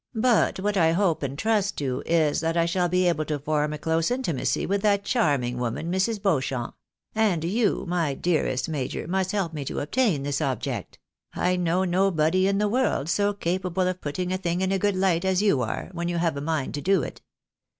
but what I hope and trust to, is, that I shall be able to form a close intimacy with that charming woman, Mrs. Beauchamp ; and you, my dearest major, must help me to obtain this object. I know nobody in the world so capable of putting a thing in a good light as you are, when you have a mind to do it.